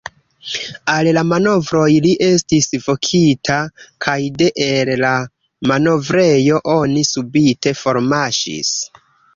Al la manovroj li estis vokita, kaj de el la manovrejo oni subite formarŝis.